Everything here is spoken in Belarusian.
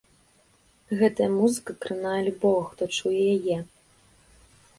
Гэтая музыка кранае любога, хто чуе яе.